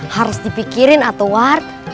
harus dipikirin atuward